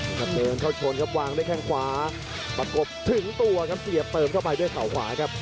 ครับเดินเข้าชนครับวางด้วยแข้งขวาประกบถึงตัวครับเสียบเติมเข้าไปด้วยเขาขวาครับ